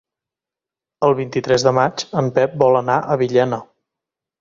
El vint-i-tres de maig en Pep vol anar a Villena.